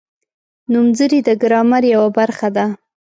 نومځري د ګرامر یوه برخه ده.